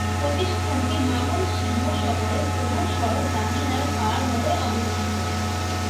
প্রতিষ্ঠানটি ময়মনসিংহ শহরের প্রধান সড়ক গাঙিনারপাড় মোড়ে অবস্থিত।